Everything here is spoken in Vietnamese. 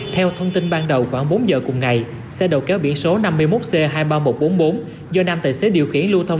theo thông tin ban đầu khoảng bốn giờ cùng ngày xe đầu kéo biển số năm mươi một c hai mươi ba nghìn một trăm bốn mươi bốn do nam tài xế điều khiển lưu thông